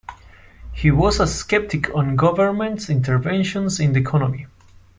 He was a skeptic on government interventions in the economy.